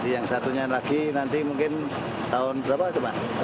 yang satunya lagi nanti mungkin tahun berapa itu pak